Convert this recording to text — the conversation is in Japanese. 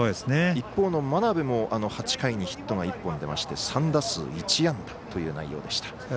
一方の真鍋も８回にヒットが１本出まして３打数１安打という結果でした。